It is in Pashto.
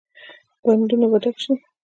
بندونه به ډک شي؟